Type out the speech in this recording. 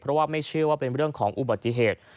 เพราะว่าไม่เชื่อว่าเป็นเรื่องของอุบัติเหตุ